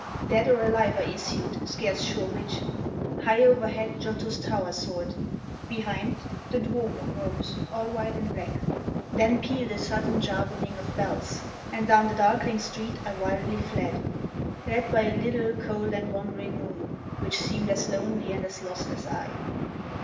Dead or alive I issued, scarce sure which. High overhead Giotto's tower soared; Behind, the Duomo rose all white and black; Then pealed a sudden jargoning of bells, And down the darkling street I wildly fled, Led by a little, cold, and wandering moon, Which seemed as lonely and as lost as I.